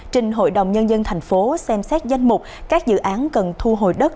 trình hội đồng nhân dân thành phố xem xét danh mục các dự án cần thu hồi đất